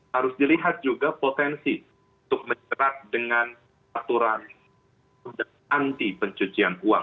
harus dilihat juga potensi untuk menjerat dengan aturan anti pencucian uang